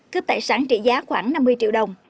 cướp tài sản trị giá khoảng năm mươi triệu đồng